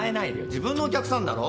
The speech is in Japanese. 自分のお客さんだろ。